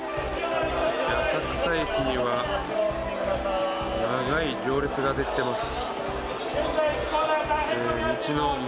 浅草駅には長い行列ができています。